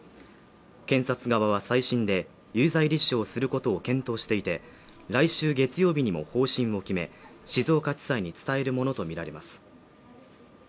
検察側は再審で有罪立証をすることを検討していて、来週月曜日にも方針を決め、静岡地裁に伝えるものとみられます。